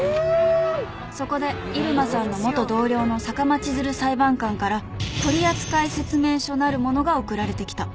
［そこで入間さんの元同僚の坂間千鶴裁判官から取り扱い説明書なるものがおくられてきた］